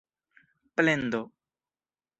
plendo